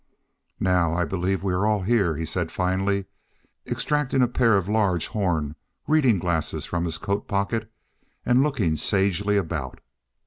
"Now I believe we are all here," he said, finally, extracting a pair of large horn reading glasses from his coat pocket and looking sagely about.